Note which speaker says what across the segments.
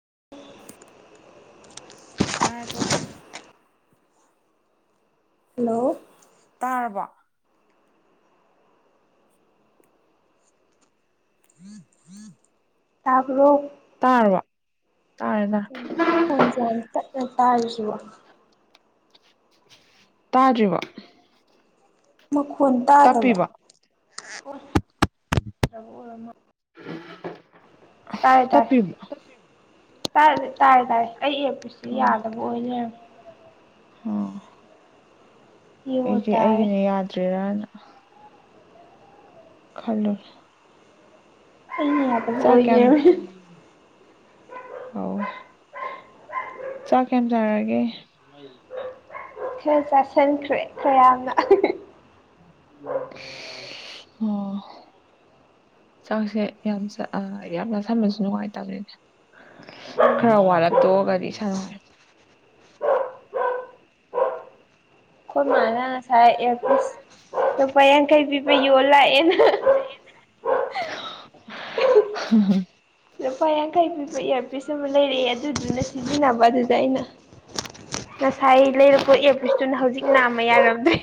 Speaker 1: [inaudible]
Speaker 2: ꯇꯥꯔꯕꯣ
Speaker 1: ꯍꯜꯂꯣ
Speaker 2: ꯇꯥꯔꯕꯣ
Speaker 1: ꯇꯕ꯭ꯔꯣ
Speaker 2: ꯇꯥꯔꯕꯣ
Speaker 1: ꯀꯩꯅꯣ ꯑꯩ ꯐꯣꯟꯁꯦ ꯇꯠꯂꯒ ꯇꯥꯔꯤꯁꯤꯕꯨ
Speaker 2: ꯇꯥꯗ꯭ꯔꯤꯕꯣ
Speaker 1: ꯃꯈꯣꯟ ꯇꯥꯗꯕ꯭ꯔꯣ ꯑꯣꯏꯔ ꯇꯥꯔꯦ ꯇꯥꯔꯦ
Speaker 2: ꯇꯞꯄꯤꯕ
Speaker 1: ꯇꯥꯏ ꯇꯥꯔꯦ ꯇꯥꯔꯦ ꯑꯩ ꯑꯦꯌꯔꯄꯤꯁ ꯌꯥꯗꯕ ꯑꯣꯏ ꯂꯩꯔꯝꯃꯦ
Speaker 2: ꯑ
Speaker 1: ꯌꯦꯡꯉꯣ
Speaker 2: ꯑꯩꯗꯤ
Speaker 1: ꯇꯥꯔꯦ
Speaker 2: ꯑꯩꯒꯤꯅ ꯌꯥꯗ꯭ꯔꯤꯔꯅ ꯈꯜꯂꯨꯔꯦ
Speaker 1: ꯑꯩꯅ
Speaker 2: [unintelligible]
Speaker 1: ꯌꯥꯗꯕ
Speaker 2: ꯆꯥꯛ
Speaker 1: ꯑꯣꯏ
Speaker 2: ꯀꯌꯥꯝ
Speaker 1: ꯂꯩꯔꯝꯃꯦ
Speaker 2: ꯑꯣ ꯆꯥꯛ ꯀꯌꯥꯝ ꯆꯥꯔꯒꯦ ꯃꯥꯏ [unintelligible]
Speaker 1: ꯈꯔ ꯆꯥꯁꯟꯈ꯭ꯔꯦ ꯈꯌꯥꯝꯅ
Speaker 2: ꯑꯣ ꯆꯥꯛꯁꯦ ꯌꯥꯝ ꯆ ꯑꯥ ꯌꯥꯝꯅ ꯆꯁꯟꯕꯁꯨ ꯅꯨꯡꯉꯥꯏꯇꯝꯅꯤꯗ
Speaker 1: ꯎꯝ
Speaker 2: ꯈꯔ
Speaker 1: ꯑꯩꯈꯣꯏ
Speaker 2: ꯋꯥꯠꯂꯛ ꯇꯣꯛꯑꯒꯗꯤ ꯏꯁꯥ ꯅꯨꯡꯉꯥꯏ
Speaker 1: ꯈꯣꯏ ꯃꯥꯅ ꯉꯁꯥꯏ ꯏꯌꯔꯄꯤꯁ ꯂꯨꯄꯥ ꯌꯥꯡꯈꯩ ꯄꯤꯕ ꯌꯣꯜ ꯂꯥꯛꯑꯦꯅ
Speaker 2: ꯍꯥ ꯍꯥ
Speaker 1: ꯂꯨꯄꯥ ꯌꯥꯡꯈꯩ ꯄꯤꯕ ꯏꯌꯥꯔꯄꯤꯁ ꯑꯃ ꯂꯩꯔꯛꯑꯦ ꯑꯗꯨꯗꯨꯅ ꯁꯤꯖꯤꯟꯅꯕ ꯑꯗꯨꯗ ꯑꯩꯅ ꯉꯁꯥꯏ ꯂꯩꯔꯛꯄ ꯏꯌꯔ ꯄꯤꯁꯇꯨꯅ ꯍꯧꯖꯤꯛ ꯅꯥꯝꯃ ꯌꯥꯔꯝꯗ꯭ꯔꯦ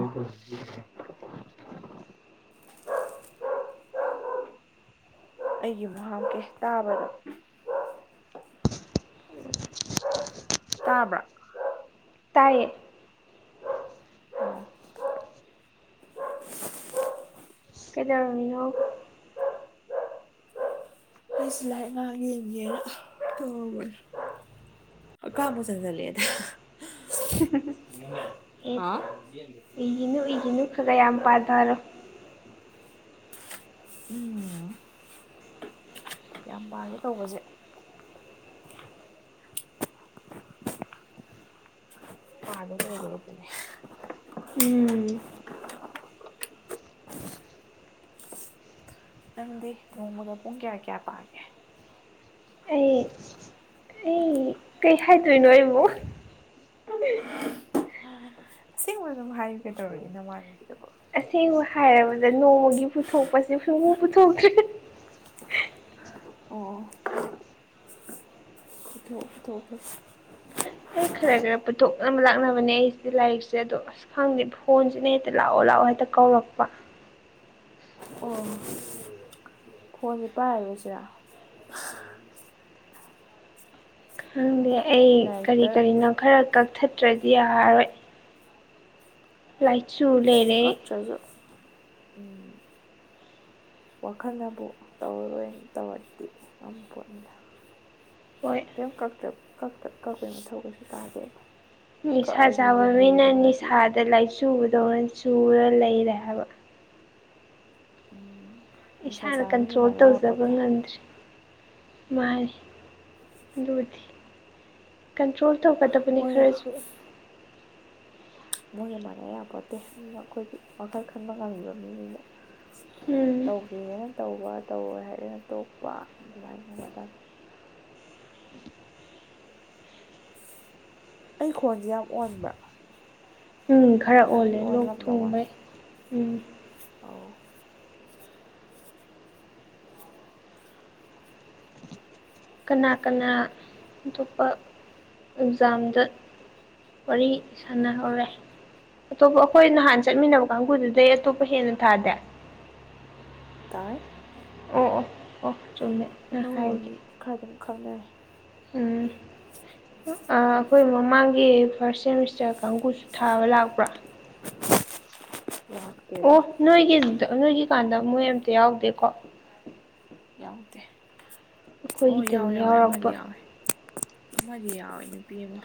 Speaker 2: ꯎ [inaudible] ꯑꯩꯒꯤ ꯃꯨꯛ ꯍꯥꯞꯀꯦ ꯇꯥꯕ꯭ꯔꯣ꯫ ꯇꯥꯕ꯭ꯔꯥ
Speaker 1: ꯇꯥꯢꯌꯦ ꯀꯩꯗꯧꯔꯝꯃꯤꯅꯣ
Speaker 2: ꯑꯩꯁꯦ ꯂꯥꯢꯔꯤꯛ ꯉꯍꯥꯛ ꯌꯦꯡꯒꯦꯅ ꯇꯧꯔꯝꯕꯅꯦ ꯍꯥꯀꯥꯝꯕꯨ ꯆꯟꯖꯜ ꯂꯛꯑꯦꯗ꯫ [inaudible] ꯍꯥ [inaudible]
Speaker 1: ꯎꯏꯒꯤꯅꯨ ꯎꯏꯒꯤꯅꯨ ꯈꯥ ꯈꯥ ꯌꯥꯝ ꯄꯥꯊꯔꯣ
Speaker 2: ꯎꯝ ꯌꯥꯝ ꯄꯥꯒꯦ ꯇꯧꯕꯁꯦ ꯄꯥꯕ ꯂꯣꯢꯗꯧꯔꯕꯅꯦ
Speaker 1: ꯎꯝ
Speaker 2: ꯅꯪꯗꯤ ꯅꯣꯡꯃꯗ ꯄꯨꯡ ꯀꯌꯥ ꯀꯌꯥ ꯄꯥꯒꯦ
Speaker 1: ꯑꯩ ꯑꯩ ꯀꯩ ꯍꯥꯢꯗꯣꯢꯅꯣ ꯑꯩꯕꯨꯨ꯫
Speaker 2: ꯑꯁꯦꯡꯕ ꯑꯗꯨꯝ ꯍꯥꯢꯌꯨ ꯀꯩꯗꯧꯔꯒꯦ ꯅꯃꯥꯟꯕꯤꯗꯕꯣ꯫
Speaker 1: ꯑꯁꯦꯡꯕ ꯍꯥꯢꯔꯕꯗ ꯅꯣꯡꯃꯒꯤ ꯄꯨꯊꯣꯛꯄꯁꯦ ꯁꯨꯡꯄꯨ ꯄꯨꯊꯣꯛꯇ꯭ꯔꯦ꯫
Speaker 2: ꯑꯣ ꯄꯨꯊꯣꯛꯈ꯭ꯔꯦ
Speaker 1: ꯑꯩ ꯈꯔ ꯈꯔ ꯄꯨꯊꯣꯛꯅꯕ ꯂꯥꯛꯅꯕꯅꯦ ꯑꯩꯁꯦ ꯂꯥꯢꯔꯤꯛꯁꯦ ꯑꯗꯣ ꯑꯁ ꯈꯪꯗꯦ ꯐꯣꯟꯁꯤꯅ ꯍꯦꯛꯇ ꯂꯥꯛꯑꯣ ꯂꯥꯛꯑꯣ ꯍꯦꯛꯇ ꯀꯧꯔꯛꯄ꯫
Speaker 2: ꯑꯣꯝ ꯐꯣꯟꯁꯦ ꯄꯥꯢꯔꯔꯣꯢꯁꯤꯔꯥ꯫ [inaudible]
Speaker 1: ꯈꯪꯗꯦ ꯑꯩ ꯀꯔꯤ
Speaker 2: ꯂꯥꯏꯔꯤꯛꯇ
Speaker 1: ꯀꯔꯤꯅꯣ ꯈꯔ ꯀꯛꯊꯠꯇ꯭ꯔꯗꯤ ꯌꯥꯔꯔꯣꯢ ꯂꯥꯢꯆꯨ ꯂꯩ
Speaker 2: ꯀꯛꯇ꯭ꯔꯖꯨ ꯎꯝ ꯋꯥꯈꯜꯅꯕꯨ ꯇꯧꯔꯔꯣꯢꯅ ꯇꯧꯔꯗꯤ ꯉꯝꯄꯣꯠꯅꯤꯗ꯫ [inaudible]
Speaker 1: ꯍꯣꯢ
Speaker 2: ꯀꯩꯝ ꯀꯛꯇ꯭ꯔꯞ ꯀꯛꯇ ꯀꯛꯄꯩ ꯃꯊꯧ ꯀꯩꯁꯨ ꯇꯥꯗꯦꯕ꯫
Speaker 1: ꯅꯤꯁꯥ
Speaker 2: ꯀꯛꯑꯁꯨ
Speaker 1: ꯆꯥꯕ
Speaker 2: ꯌꯦꯡꯕꯨ
Speaker 1: ꯃꯤꯅ
Speaker 2: ꯌꯦꯡꯅꯤꯡꯉꯗꯤ
Speaker 1: ꯅꯤꯁꯥꯗ ꯂꯥꯢꯆꯨꯕꯗꯧꯅ ꯆꯨꯔ ꯂꯩꯔꯦ ꯍꯥꯢꯕ
Speaker 2: [inaudible]
Speaker 1: ꯏꯁꯥꯅ
Speaker 2: ꯆꯥꯕ ꯃꯤꯒ
Speaker 1: ꯀꯟꯇ꯭ꯔꯣꯜ
Speaker 2: ꯃꯥꯟꯅ
Speaker 1: ꯇꯧꯖꯕ
Speaker 2: ꯌꯥꯄꯣꯠꯇꯦ
Speaker 1: ꯉꯝꯗ꯭ꯔꯦ ꯃꯥꯟꯅꯤ ꯑꯗꯨꯕꯨꯗꯤ ꯀꯟꯇ꯭ꯔꯣꯜ ꯇꯧꯒꯗꯕꯅꯤ
Speaker 2: ꯃꯣꯏꯒ
Speaker 1: ꯈꯔꯖꯨ
Speaker 2: ꯃꯣꯢꯒ ꯃꯥꯟꯅ ꯌꯥꯕ ꯄꯣꯠꯇꯦ ꯑꯗꯨꯅ ꯑꯩꯈꯣꯢꯒꯤ ꯋꯥꯈꯜ ꯈꯟꯕ ꯉꯝꯃꯤꯕ ꯃꯤꯅꯤꯅ
Speaker 1: ꯎꯝ
Speaker 2: ꯇꯧꯒꯦꯅ ꯇꯧꯕ ꯇꯧꯔꯣꯢ ꯍꯥꯢꯔꯒꯅ ꯇꯣꯛꯄ ꯑꯗꯨꯃꯥꯢꯅꯒ ꯇꯧꯒꯗꯕꯅꯤ ꯑꯩ ꯈꯣꯟꯁꯦ ꯌꯥꯝ ꯑꯣꯟꯕ
Speaker 1: ꯎꯝ ꯈꯔ ꯑꯣꯜꯂꯦ ꯂꯣꯛ ꯊꯨꯡꯕꯩ ꯎꯝ
Speaker 2: ꯑꯣ
Speaker 1: ꯀꯅꯥ ꯀꯅꯥ ꯑꯇꯣꯞꯄ ꯑꯦꯛꯖꯥꯝꯗ ꯋꯥꯔꯤ ꯁꯥꯟꯅꯍꯧꯔꯦ ꯑꯇꯣꯞꯄ ꯑꯩꯈꯣꯢ ꯅꯍꯥꯟ ꯆꯠꯃꯤꯟꯅꯕ ꯀꯥꯡꯕꯨꯗꯨꯗꯩ ꯑꯇꯣꯞꯄ ꯍꯦꯟꯅ ꯊꯥꯗꯦ
Speaker 2: ꯇꯥꯢ
Speaker 1: ꯑꯣ ꯑꯣ ꯑꯣ ꯆꯨꯝꯃꯦ ꯅꯪ
Speaker 2: ꯑꯅꯧꯕ
Speaker 1: ꯍꯥꯢꯗꯦ
Speaker 2: ꯃꯤ ꯈꯔ ꯑꯗꯨꯝ ꯈꯪꯅꯔꯦ
Speaker 1: ꯎꯝ ꯑꯥ ꯑꯈꯣꯢ ꯃꯃꯥꯡꯒꯤ ꯐꯥꯔꯁ ꯁꯦꯃꯤꯁꯇꯔ ꯀꯥꯡꯕꯨꯁꯨ ꯊꯥꯕ ꯂꯥꯛꯄ꯭ꯔꯥ
Speaker 2: [unintelligible]
Speaker 1: ꯑꯣ ꯅꯣꯢꯒꯤ ꯑꯗꯨꯗ ꯅꯣꯢꯒꯤꯀꯥꯟꯗ ꯃꯣꯢ ꯑꯝꯇ ꯌꯥꯎꯗꯦꯀꯣ
Speaker 2: ꯌꯥꯎꯗꯦ ꯑꯣ ꯌꯥꯎꯋꯦ
Speaker 1: ꯑꯩꯈꯣꯏꯒꯤꯗꯅꯤ
Speaker 2: ꯌꯥꯎꯋꯦ ꯑꯃꯗꯤ
Speaker 1: ꯌꯥꯎꯔꯛꯄ
Speaker 2: ꯌꯥꯎꯋꯦ ꯑꯃꯥꯗꯤ ꯌꯥꯎꯋꯦ ꯅꯨꯄꯤ ꯑꯃ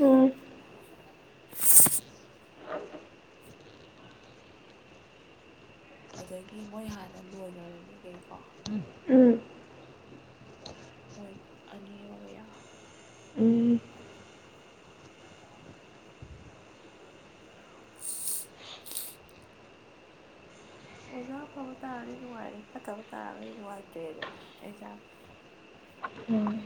Speaker 1: ꯎꯝ [inaudible]
Speaker 2: ꯑꯗꯒꯤ ꯃꯣꯢ ꯍꯥꯟꯅ ꯂꯣꯏꯒ꯭ꯔꯕ ꯃꯤꯒꯩꯀꯣ
Speaker 1: ꯎꯝ
Speaker 2: ꯃꯣꯢ ꯑꯅꯤꯑꯃꯒ ꯌꯥꯎꯋꯦ
Speaker 1: ꯎꯝ
Speaker 2: [inaudible] ꯑꯣꯖꯥ ꯑꯐꯕ ꯇꯥꯔꯗꯤ ꯅꯨꯡꯉꯥꯢꯔꯦ ꯐꯠꯇꯕ ꯇꯥꯔꯒꯗꯤ ꯅꯨꯡꯉꯥꯢꯇ꯭ꯔꯦ ꯑꯗꯨꯝ ꯑꯦꯛꯖꯥꯝ
Speaker 1: ꯎꯝ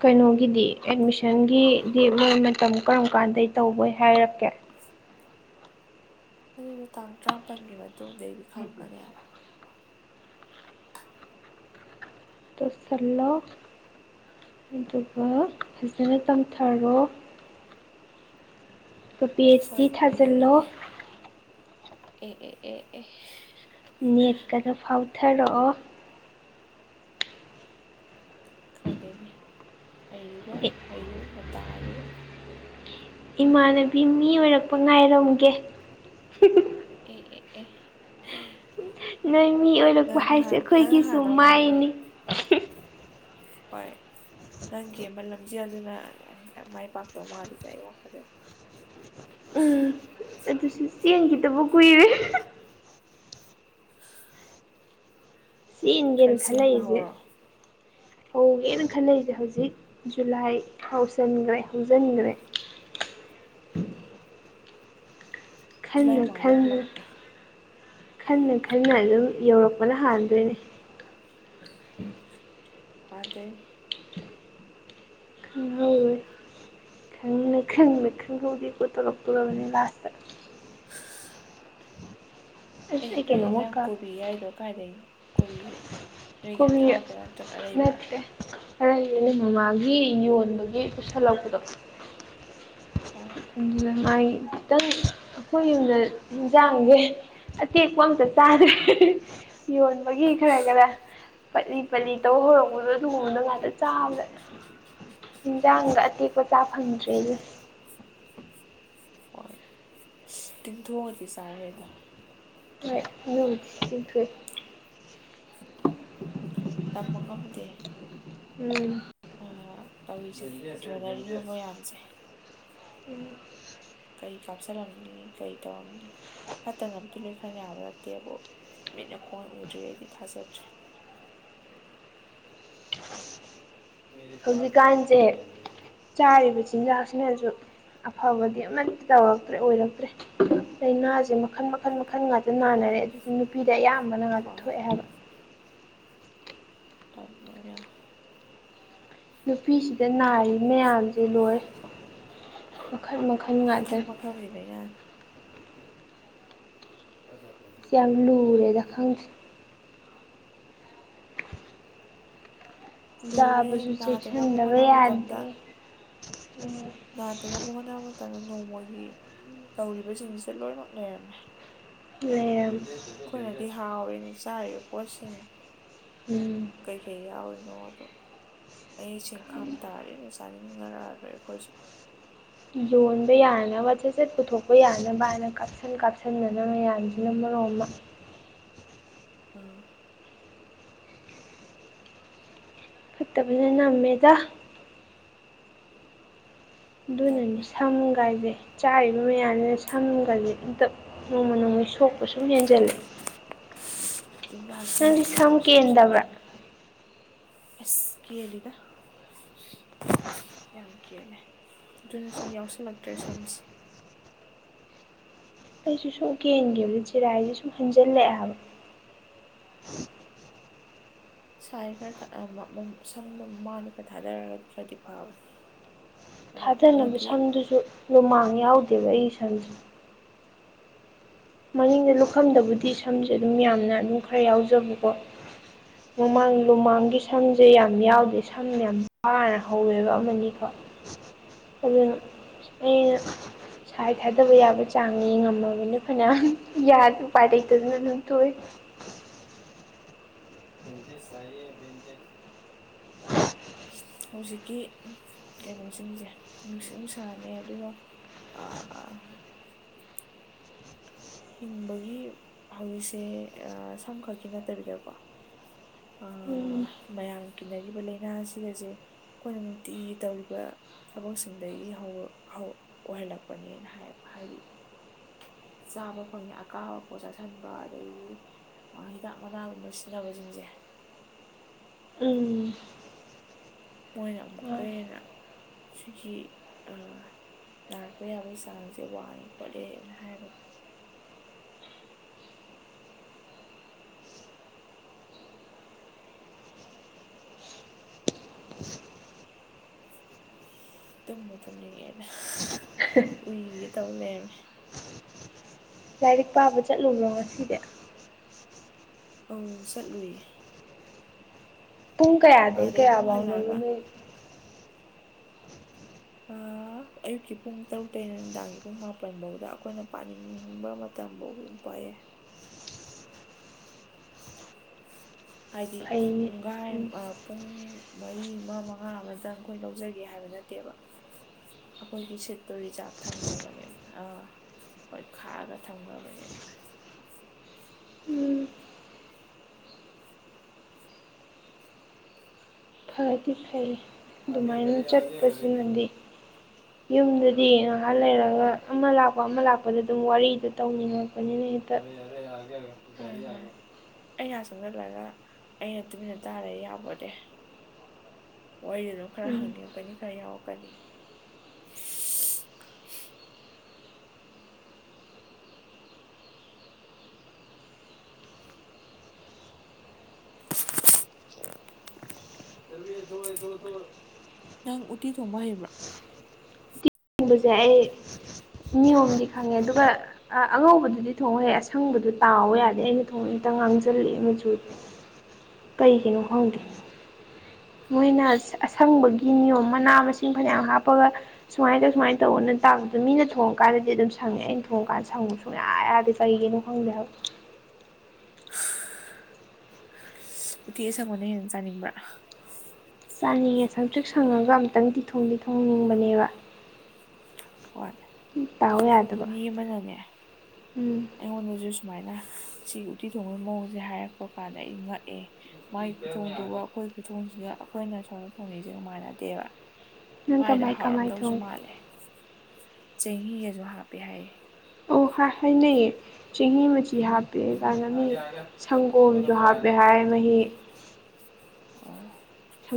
Speaker 1: ꯀꯩꯅꯣꯒꯤꯗꯤ ꯑꯦꯠꯃꯤꯁꯟꯒꯤꯗꯤ ꯃꯣꯏ ꯃꯇꯝ ꯀꯔꯝ ꯀꯥꯟꯗꯩ ꯇꯧꯕꯣꯏ ꯍꯥꯏꯔꯛꯀꯦ
Speaker 2: ꯑꯗꯨꯗꯣ ꯇꯥꯡ ꯇ꯭ꯕꯥꯝꯃꯥꯄꯜꯒꯤ ꯃꯇꯨꯡꯗꯒꯤ ꯈꯪꯒꯅꯤ
Speaker 1: ꯇꯧꯁꯤꯜꯂꯣ ꯑꯗꯨꯒ ꯐꯖꯅ ꯇꯝꯊꯔꯣ ꯑꯗꯨꯒ ꯄꯤ ꯑꯩꯆ ꯗꯤ
Speaker 2: ꯍꯣꯏ
Speaker 1: ꯊꯥꯖꯤꯜꯂꯣ
Speaker 2: ꯌꯦꯡꯉꯒꯦ ꯑꯦ ꯑꯦ ꯑꯦ ꯑꯦ
Speaker 1: ꯅꯦꯠꯀꯗ ꯐꯥꯎꯊꯔꯛꯑꯣ
Speaker 2: ꯈꯪꯗꯦꯅꯦ ꯍꯩꯔꯤꯕ ꯍꯩꯔꯤꯕ ꯃꯇꯥꯒꯤꯒ
Speaker 1: ꯏꯃꯥꯟꯅꯕꯤ ꯃꯤ ꯑꯣꯢꯔꯛꯄ ꯉꯥꯏꯔꯝꯒꯦ
Speaker 2: ꯑꯦ ꯑꯦ ꯑꯦ
Speaker 1: ꯅꯣꯏ ꯃꯤ ꯑꯣꯏꯔꯛꯄ
Speaker 2: ꯅꯪ
Speaker 1: ꯍꯥꯏꯁꯦ
Speaker 2: ꯅꯥꯍꯥꯟ ꯅꯪ
Speaker 1: ꯑꯩꯈꯣꯏꯒꯤꯁꯨ
Speaker 2: ꯍꯥꯟꯗꯧ ꯃꯥꯜꯂꯦ
Speaker 1: ꯃꯥꯏꯅꯤ
Speaker 2: ꯍꯣꯢ ꯅꯪꯒꯤꯑꯃ ꯂꯝꯖꯦꯜ ꯗꯨꯅ ꯃꯥꯢ ꯄꯥꯛꯇꯧ ꯃꯥꯜꯂꯤꯗ ꯑꯩ ꯋꯥꯈꯜꯗꯗꯤ
Speaker 1: ꯆꯦꯡꯈꯤꯗꯕ ꯀꯨꯢꯔꯦ ꯆꯦꯟꯒꯦꯅ
Speaker 2: ꯈꯔ ꯆꯦꯟꯕ
Speaker 1: ꯈꯜꯂꯛꯏꯁꯦ
Speaker 2: ꯍꯧꯔꯣ
Speaker 1: ꯍꯧꯒꯦꯅ ꯈꯜꯂꯩꯖ ꯍꯧꯖꯤꯛ ꯖꯨꯂꯥꯏ ꯍꯧꯁꯟꯒ꯭ꯔꯦ ꯍꯧꯖꯟꯒ꯭ꯔꯦ
Speaker 2: ꯖꯨꯂꯥꯏ
Speaker 1: ꯈꯟꯅ
Speaker 2: ꯃꯃꯥꯡꯗꯩ
Speaker 1: ꯈꯟꯅ
Speaker 2: ꯈꯜꯂꯛꯄ꯭ꯔꯥ
Speaker 1: ꯈꯟꯅ ꯈꯟꯅ ꯑꯗꯨꯝ ꯌꯧꯔꯛꯄꯅ ꯍꯥꯟꯗꯣꯢꯅꯤ
Speaker 2: ꯐꯥ ꯇꯦ
Speaker 1: [unintelligible] ꯈꯪꯅ ꯈꯪꯅ ꯈꯪꯍꯧꯗꯦꯀꯣ ꯇꯧꯔꯛꯇꯣꯔꯕꯅꯦ ꯂꯥꯁꯇ꯫
Speaker 2: [inaudible] ꯑꯦ
Speaker 1: ꯑꯁ ꯑꯩ
Speaker 2: ꯅꯣꯏ
Speaker 1: ꯀꯩꯅꯣꯝꯃ
Speaker 2: ꯌꯦꯟꯖꯥꯡ
Speaker 1: ꯀꯥꯎ
Speaker 2: ꯀꯣꯕꯤ ꯌꯥꯎꯏꯗꯣ ꯀꯥꯏꯗꯒꯤꯅꯣ ꯀꯣꯕꯤꯁꯦ? ꯅꯣꯏꯒꯤ
Speaker 1: ꯀꯣꯕꯤ
Speaker 2: ꯑꯊꯥꯕ꯭ꯔꯥ ꯅꯠꯇ꯭ꯔꯒ ꯑꯔꯩꯕ꯭ꯔꯥ
Speaker 1: ꯅꯠꯇꯦ ꯈꯔ [unintelligible] ꯅꯦ ꯃꯃꯥꯒꯤ ꯌꯣꯟꯕꯒꯤ ꯄꯨꯁꯜꯂꯛꯄꯗꯣ
Speaker 2: ꯑꯣ
Speaker 1: ꯑꯗꯨꯗ ꯃꯥꯒꯤ ꯈꯤꯇꯪ ꯑꯈꯣꯏ ꯌꯨꯝꯗ ꯖꯥꯡꯁꯦ ꯑꯇꯦꯛꯄ ꯑꯝꯇ ꯆꯥꯗꯦ [unintelligible] ꯌꯣꯟꯕꯒꯤ ꯈꯔ ꯈꯔ ꯄꯠꯂꯤ ꯄꯠꯂꯤ ꯇꯧ ꯍꯧꯔꯛꯄꯗꯣ ꯑꯗꯨꯒꯨꯝꯕꯗ ꯉꯥꯛꯇ ꯆꯥꯕꯗ ꯍꯤꯟꯖꯥꯡꯒ ꯑꯇꯦꯛꯄ ꯆꯥ ꯐꯪꯗ꯭ꯔꯦꯌꯦ꯫
Speaker 2: ꯍꯣꯏ ꯇꯤꯡꯊꯣꯛꯑꯗꯤ ꯆꯥꯎꯍꯦ ꯑꯗꯣ꯫
Speaker 1: ꯍꯣꯏ ꯑꯗꯨꯕꯨꯗꯤ ꯇꯤꯡꯊꯣꯛꯑꯦ꯫
Speaker 2: ꯇꯝꯕ ꯉꯝꯗꯦ꯫
Speaker 1: ꯎꯝ
Speaker 2: ꯑꯥ ꯇꯧꯔꯤꯁꯦ ꯇꯧꯅꯔꯤꯕ ꯃꯌꯥꯝꯁꯦ꯫
Speaker 1: ꯎꯝ
Speaker 2: ꯀꯩ ꯀꯥꯞꯁꯤꯜꯂꯝꯅꯤ, ꯀꯩ ꯇꯧꯔꯝꯅꯤ꯫ ꯐꯠꯇꯅꯕꯨꯗꯤ ꯂꯣꯏ ꯈꯟ ꯌꯥꯕ ꯅꯠꯇꯦꯕꯨ ꯃꯤꯠꯅ ꯈꯣꯡꯅ ꯎꯗ꯭ꯔꯤ ꯒꯩꯗꯤ ꯊꯥꯖꯗ꯭ꯔꯦ꯫
Speaker 1: ꯍꯧꯖꯤꯛꯀꯥꯟꯁꯦ
Speaker 2: [unintelligible]
Speaker 1: ꯆꯥꯔꯤꯕ ꯆꯤꯟꯖꯥꯛꯁꯤꯅꯖꯨ ꯑꯐꯕꯗꯤ ꯑꯃꯠ ꯇꯧꯔꯛꯇ꯭ꯔꯦ ꯑꯣꯏꯔꯛꯇ꯭ꯔꯦ꯫ ꯂꯩꯅꯥꯖꯦ ꯃꯈꯜ ꯃꯈꯜ ꯃꯈꯜ ꯉꯥꯛꯇ ꯅꯥꯅꯔꯦ ꯑꯗꯨꯁꯨ ꯅꯨꯄꯤꯗ ꯑꯌꯥꯝꯕꯅ ꯉꯥꯛꯇ
Speaker 2: ꯍꯣꯏ
Speaker 1: ꯊꯣꯛꯑꯦ ꯍꯥꯏꯕ꯫
Speaker 2: ꯇꯟꯕ ꯃ ꯌꯥꯎ
Speaker 1: ꯅꯨꯄꯤꯁꯤꯗ ꯅꯥꯔꯤ ꯃꯌꯥꯝꯖꯦ ꯂꯣꯏꯔꯦ, ꯃꯈꯜ ꯃꯈꯜ ꯉꯥꯛꯇꯅꯤ꯫
Speaker 2: [unintelligible] ꯂꯥꯏꯅꯥ [inaudible]
Speaker 1: ꯌꯥꯝ ꯂꯨꯔꯦꯗ, ꯈꯪꯗꯦ꯫
Speaker 2: ꯂꯨꯔꯦ
Speaker 1: ꯆꯥꯕꯖꯨ
Speaker 2: ꯅꯥꯗꯅꯕ
Speaker 1: ꯆꯦꯛꯁꯟꯗꯕ
Speaker 2: ꯍꯣꯠꯅꯕ ꯃꯇꯝꯗ
Speaker 1: ꯌꯥꯗꯦ꯫ [inaudible]
Speaker 2: ꯅꯥꯗꯅꯕ ꯍꯣꯠꯅ ꯃꯇꯝꯗ ꯅꯣꯡꯃꯒꯤ ꯇꯧꯔꯤꯕꯁꯤꯡꯁꯤꯗ ꯂꯣꯏꯃꯛ ꯂꯩꯔꯝꯃꯦ꯫ [inaudible]
Speaker 1: ꯂꯩꯔꯝ
Speaker 2: ꯑꯩꯈꯣꯏꯅꯗꯤ ꯍꯥꯎꯔꯦꯅ ꯆꯥꯔꯤꯕ ꯄꯣꯠꯁꯤꯡ꯫
Speaker 1: ꯎꯝ
Speaker 2: ꯀꯩ ꯀꯩ ꯌꯥꯎꯔꯤꯅꯣ ꯗꯣ ꯃꯌꯦꯛꯁꯦꯡ ꯈꯡ ꯇꯥꯔꯗꯤ ꯑꯝꯇ ꯆꯥꯅꯤꯡꯉꯛꯑꯔꯣꯢ ꯑꯈꯣꯏꯁꯨ꯫
Speaker 1: ꯌꯣꯟꯕ ꯌꯥꯅꯕ ꯁꯠ ꯆꯠ ꯄꯨꯊꯣꯛꯄ ꯌꯥꯅꯕ ꯍꯥꯏꯅ ꯀꯥꯞꯁꯤꯟ ꯀꯥꯞꯁꯤꯟꯗꯅ ꯃꯌꯥꯝꯖꯤꯅ ꯃꯔꯣꯝꯃ꯫
Speaker 2: ꯑꯥ
Speaker 1: ꯐꯠꯇꯕꯅ ꯅꯝꯃꯦꯗ꯫
Speaker 2: ꯅꯝꯅ
Speaker 1: ꯗꯨꯅꯅꯤ ꯁꯝꯒꯥꯏꯖꯦ ꯆꯥꯔꯤꯕ ꯃꯌꯥꯝꯁꯤꯅ ꯁꯝꯒꯖꯦ ꯏꯪꯇꯞ ꯅꯣꯡꯃ ꯅꯣꯡꯃꯩ ꯁꯣꯛꯄ ꯁꯨꯝ ꯍꯦꯟꯖꯜꯂꯦ꯫ ꯁꯝ ꯀꯦꯟꯗꯕ꯭ꯔꯥ
Speaker 2: [unintelligible] ꯑꯁ ꯀꯦꯜꯂꯤꯗ꯫ ꯌꯥꯝ ꯀꯦꯜꯂꯦ ꯗꯨꯅ ꯁꯨꯝ ꯌꯥꯎꯁꯜꯂꯛꯇ꯭ꯔꯦ ꯁꯝꯁꯦ꯫
Speaker 1: ꯑꯩꯁꯨ ꯁꯨꯝ ꯀꯦꯟꯒꯤꯕꯖꯦ ꯆꯤꯔꯥꯏꯖꯦ ꯁꯨꯝ ꯍꯟꯖꯜꯂꯛꯑꯦ ꯍꯥꯏꯕ꯫
Speaker 2: ꯁꯥꯏ ꯈꯔ ꯇ ꯑ ꯃꯃꯝ ꯁꯝꯗꯣ ꯃꯃꯥꯡꯗ ꯈꯔ ꯊꯥꯗꯔꯒꯗꯤ ꯈꯔꯗꯤ ꯐꯕꯅꯤ꯫
Speaker 1: ꯊꯥꯗꯅꯕ ꯁꯝꯗꯨꯖꯨ ꯂꯨꯃꯥꯡ ꯌꯥꯎꯗꯦꯕ ꯑꯩꯒꯤ ꯁꯝꯖꯦ꯫ ꯃꯅꯤꯡꯗ ꯂꯨꯈꯝꯗꯕꯨꯗꯤ ꯁꯝꯖꯦ ꯑꯗꯨꯝ ꯌꯥꯝꯅ ꯑꯗꯨꯝ ꯈꯔ ꯌꯥꯎꯖꯕꯀꯣ꯫ ꯃꯃꯥꯡ ꯂꯨꯃꯥꯡꯒꯤ ꯁꯝꯖꯦ ꯌꯥꯝ ꯌꯥꯎꯗꯦ ꯁꯝ ꯌꯥꯝ ꯋꯥꯅ ꯍꯧꯋꯦꯕ ꯑꯃꯥꯅꯤ ꯈꯛ ꯑꯗꯨꯅ ꯑꯩꯅ ꯁꯥꯏ ꯊꯥꯗꯕ ꯌꯥꯕ ꯆꯥꯡ ꯌꯦꯡꯉꯝꯃꯕꯅꯤ ꯐꯅ꯭ꯌꯥꯝ ꯌꯥꯗ ꯎꯄꯥꯏ ꯂꯩꯇꯗꯅ ꯑꯗꯨꯝ ꯇꯣꯛꯑꯦ
Speaker 2: ꯚꯦꯟꯗꯦꯁ ꯆꯥꯏꯌꯦ ꯚꯦꯟꯗꯦꯠ ꯍꯧꯖꯤꯛꯀꯤ ꯀꯩꯅꯣꯁꯤꯡꯖꯦ ꯅꯨꯡꯁꯤꯠ ꯅꯨꯡꯁꯥꯅꯦ ꯑꯗꯨꯒ ꯑꯥ ꯍꯥ ꯍꯤꯡꯕꯒꯤ ꯍꯧꯖꯤꯛꯁꯦ ꯑꯥ ꯁꯝ ꯈꯛꯀꯤ ꯅꯠꯇꯕꯤꯗꯀꯣ ꯑꯥ
Speaker 1: ꯎꯝ
Speaker 2: ꯃꯌꯥꯝꯅ ꯀꯤꯅꯔꯤꯕ ꯂꯩꯅꯥꯁꯤꯒꯖꯦ ꯈꯣꯏꯅ ꯅꯨꯡꯇꯤꯒꯤ ꯇꯧꯔꯤꯕ ꯊꯕꯛꯁꯤꯡꯗꯒꯤ ꯍꯧꯋꯥ ꯍꯧ ꯑꯣꯏꯍꯜꯂꯛꯄꯅꯦꯅ ꯍꯥꯏꯕ ꯍꯥꯏꯗꯤ ꯆꯥꯕ ꯐꯪꯉꯦ ꯑꯀꯥꯕ ꯄꯣꯠ ꯆꯥꯁꯟꯕ ꯑꯗꯒꯤ ꯑꯥ ꯍꯤꯗꯥꯛ ꯃꯅꯥꯒꯨꯝꯕ ꯁꯤꯟꯅꯕꯖꯤꯡꯖꯦ
Speaker 1: ꯎꯝ
Speaker 2: ꯃꯣꯏꯅ ꯑꯃꯨꯛꯀ ꯍꯦꯟꯅ ꯁꯤꯒꯤ ꯑꯥ ꯅꯥꯔꯛꯄ ꯌꯥꯕꯩ ꯆꯥꯡꯖꯦ ꯋꯥꯡꯉꯦ ꯈꯣꯠꯂꯦꯅ ꯍꯥꯏꯕ ꯇꯨꯝꯕꯨ ꯇꯨꯝꯅꯤꯡꯉꯦꯗ
Speaker 1: [unintelligible]
Speaker 2: ꯎꯏꯒꯦ ꯇꯧ ꯂꯩꯔꯝꯃꯦ
Speaker 1: ꯂꯥꯏꯔꯤꯛ ꯄꯥꯕ ꯆꯠꯂꯨꯕ꯭ꯔꯣ ꯉꯁꯤꯗꯤ
Speaker 2: ꯑꯧ ꯆꯠꯂꯨꯏꯌꯦ
Speaker 1: ꯄꯨꯡ ꯀꯌꯥꯗꯒꯤ
Speaker 2: ꯑꯥꯗꯩ ꯑꯗꯨꯝ
Speaker 1: ꯀꯌꯥ ꯕꯥꯎꯅꯣꯕ
Speaker 2: ꯍꯜꯂꯛꯑꯒ
Speaker 1: ꯅꯣꯏ
Speaker 2: ꯑꯥ ꯑꯌꯨꯛꯀꯤ ꯄꯨꯡ ꯇꯔꯨꯛꯇꯩꯩꯅ ꯅꯨꯡꯗꯥꯡꯒꯤ ꯄꯨꯡ ꯃꯥꯄꯟꯕꯧꯗ ꯑꯈꯣꯏꯅ ꯄꯥꯅꯤꯡꯕ ꯃꯇꯝꯕꯧ ꯗꯨꯝ ꯄꯥ ꯌꯥꯏ ꯍꯥꯏꯗꯤ
Speaker 1: ꯐꯩꯅꯦ
Speaker 2: ꯄꯨꯡꯒꯥꯏꯝ
Speaker 1: ꯎꯝ
Speaker 2: ꯑ ꯄꯨꯡ ꯃꯔꯤ ꯃ ꯃꯉꯥ ꯑꯃꯇꯪ ꯈꯣꯏ ꯂꯧꯖꯒꯦ ꯍꯥꯏꯕ ꯅꯠꯇꯦꯕ ꯑꯈꯣꯏꯒꯤ ꯁꯤꯠꯇꯣ ꯔꯤꯖꯥꯚ ꯊꯝꯒ꯭ꯔꯕꯅꯦꯕ ꯑꯥ ꯍꯣꯏ ꯈꯥꯑꯒ ꯊꯝꯒ꯭ꯔꯕꯅꯦꯕ
Speaker 1: ꯎꯝ ꯐꯗꯤ ꯐꯩ ꯗꯨꯃꯥꯏꯅ ꯆꯠꯄꯖꯤꯃꯗꯤ ꯌꯨꯝꯗꯗꯤ ꯉꯍꯥꯛ ꯂꯩꯔꯒ
Speaker 2: ꯍꯣꯏ
Speaker 1: ꯑꯃ ꯂꯥꯛꯄ ꯑꯃ ꯂꯥꯛꯄꯗ ꯑꯗꯨꯝ ꯋꯥꯔꯤꯗ ꯇꯧꯅꯤꯡꯉꯛ
Speaker 2: ꯑꯔꯦ ꯑꯔꯦ ꯑꯥꯒꯦ ꯑꯥꯒꯦ ꯒꯥꯔꯤ ꯌꯥꯒ꯭ꯔꯦ ꯑꯩ ꯅꯥꯛ ꯆꯪꯖꯜꯂꯒ ꯑꯩꯅ ꯇꯨꯃꯤꯟꯅ ꯇꯥ ꯂꯩ ꯌꯥꯄꯣꯇꯦ ꯋꯥꯔꯤꯗ ꯗꯨꯝ ꯈꯔ
Speaker 1: ꯎꯝ
Speaker 2: ꯍꯪꯅꯤꯡꯉꯛꯀꯅꯤ ꯈꯔ ꯌꯥꯎꯔꯛꯀꯅꯤ [unintelligible] ꯅꯪ ꯎꯇꯤ ꯊꯣꯡꯕ ꯍꯩꯕ꯭ꯔ
Speaker 1: ꯍꯩꯕꯖꯦ ꯑꯩ ꯅꯤꯌꯣꯝꯗꯤ ꯈꯪꯉꯦ ꯑꯗꯨꯒ ꯑ ꯑꯉꯧꯕꯗꯨꯗꯤ ꯊꯣꯡ ꯍꯩ ꯑꯁꯪꯕꯗꯨ ꯇꯥꯎꯋꯣ ꯌꯥꯗꯦ ꯑꯩꯅ ꯊꯣꯡꯉ ꯍꯦꯇ ꯉꯥꯡꯖꯤꯜꯂꯛꯑꯦ ꯃꯆꯨ
Speaker 2: [inaudible]
Speaker 1: ꯀꯩꯒꯤꯅꯣ ꯈꯪꯗꯦ
Speaker 2: ꯑꯣ
Speaker 1: ꯃꯣꯏꯅ ꯁ ꯑꯁꯪꯕꯒꯤ ꯅꯤꯌꯣꯝ ꯃꯅꯥ ꯃꯁꯤꯡ ꯐꯅ꯭ꯌꯥꯝ ꯍꯥꯞꯄꯒ ꯁꯨꯃꯥꯏꯅ ꯇꯧ ꯁꯨꯃꯥꯏ ꯇꯧꯑꯅ ꯇꯥꯛꯄꯗꯨ ꯃꯤꯅ ꯊꯣꯡꯉꯀꯥꯟꯗꯗꯤ ꯑꯗꯨꯝ ꯁꯪꯉꯦ ꯑꯩꯅ ꯊꯣꯡꯉꯀꯥꯟ ꯁꯪꯉꯨ ꯁꯨꯡꯌꯥ ꯌꯥꯗꯦ ꯀꯩꯒꯤꯅꯣ ꯈꯪꯗꯦ ꯍꯥꯏꯕ
Speaker 2: ꯎꯇꯤ ꯑꯁꯪꯕꯅ ꯍꯦꯟꯅ ꯆꯥꯅꯤꯡꯕ꯭ꯔ
Speaker 1: ꯆꯥꯅꯤꯡꯉꯦ ꯁꯪꯇ꯭ꯔꯤꯛ ꯁꯪꯉꯒ ꯑꯝꯇꯪꯗꯤ ꯊꯣꯡꯗꯤ ꯊꯣꯡꯅꯤꯡꯕꯅꯦꯕ
Speaker 2: ꯍꯣꯏ
Speaker 1: ꯍꯨꯝ ꯇꯥꯎ ꯌꯥꯗꯕ ꯎꯝ
Speaker 2: ꯑꯩꯉꯣꯟꯗꯖꯨ ꯁꯨꯃꯥꯏꯅ ꯁꯤꯒꯤ ꯎꯇꯤ ꯊꯣꯡꯕꯒꯤ ꯃꯑꯣꯡꯖꯦ ꯍꯥꯏꯔꯛꯄ ꯀꯥꯟꯗ ꯑꯩ ꯉꯛꯑꯦ꯫ ꯃꯥꯏ ꯈꯨꯊꯣꯡꯗꯨꯒ ꯑꯈꯣꯏ ꯈꯨꯊꯣꯡꯁꯤꯒ ꯑꯈꯣꯏꯅ ꯁꯣꯝꯗ ꯊꯣꯡꯅꯩꯖꯤꯒ ꯃꯥꯟꯅꯗꯦꯕ꯫
Speaker 1: ꯅꯪ
Speaker 2: ꯃꯥꯏꯗꯣ
Speaker 1: ꯀꯃꯥꯏ ꯀꯃꯥꯏ
Speaker 2: ꯍꯥꯎꯔꯝꯗꯧꯖꯨ
Speaker 1: ꯊꯣꯡꯉꯤ
Speaker 2: ꯃꯥꯜꯂꯦ ꯆꯦꯡꯍꯤꯒꯖꯨ ꯍꯥꯞꯄꯦ ꯍꯥꯏꯌꯦ꯫
Speaker 1: ꯍ꯭ꯋꯥ ꯍꯥꯏꯅꯩꯌꯦ ꯆꯦꯡꯍꯤ ꯃꯆꯤ ꯍꯥꯞꯄꯦ ꯀꯥꯅ ꯃꯤ ꯁꯪꯒꯣꯝꯖꯨ ꯍꯥꯞꯄꯦ ꯍꯥꯏ ꯃꯍꯤ
Speaker 2: ꯑꯣ
Speaker 1: ꯁꯪ